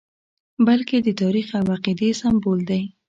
بلکې د تاریخ او عقیدې سمبول دی.